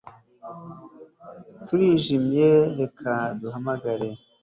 turi iyijimye reka duhamagare